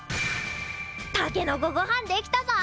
たけのこごはん出来たぞ！